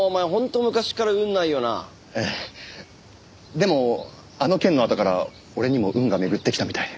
でもあの件のあとから俺にも運が巡ってきたみたいで。